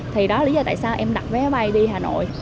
thì đó lý do tại sao em đặt vé bay đi hà nội